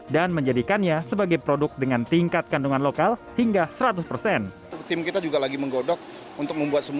dan menjadikannya sebagai perusahaan yang lebih cepat